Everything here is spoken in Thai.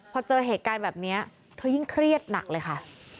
พอเจอเหตุการณ์แบบนี้เธอยิ่งเครียดหนักเลยค่ะ